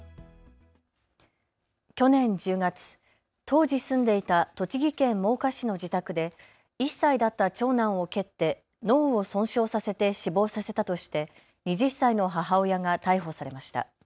去年１０月、当時住んでいた栃木県真岡市の自宅で１歳だった長男を蹴って脳を損傷させて死亡させたとして２０歳の母親が逮捕されました。